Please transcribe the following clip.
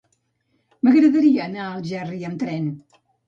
M'agradaria anar a Algerri amb tren.